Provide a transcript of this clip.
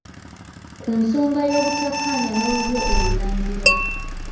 Ku nsonga y'obutakkaanya n'Olulyo Olulangira